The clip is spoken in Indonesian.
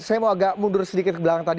saya mau agak mundur sedikit ke belakang tadi